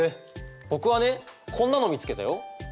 僕はねこんなの見つけたよ。